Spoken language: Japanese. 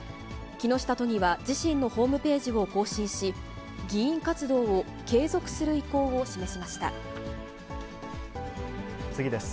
木下都議は自身のホームページを更新し、議員活動を継続する意向次です。